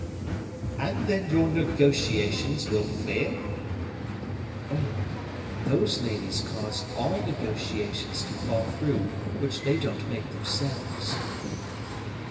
"And then your negotiations will fail?" "Oh! those ladies cause all negotiations to fall through which they don't make themselves."